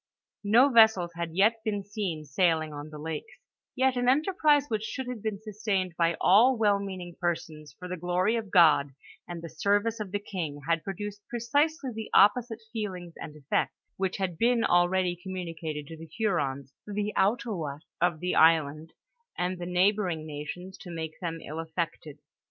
No vessels had yet been seen sailing on the lakes ; yet an enterprise which should have been sustained by all well meaning persons, for the gloiy of God, and the service of the king, had produced precisely the opposite feelings and effects, which had been already communicated to the Hurons, the Outaoiiats of the island and the neighboring nations, to make them ill affected.